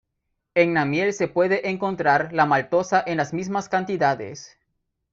En la miel se puede encontrar la maltosa en las mismas cantidades.